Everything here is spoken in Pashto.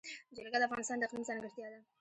جلګه د افغانستان د اقلیم ځانګړتیا ده.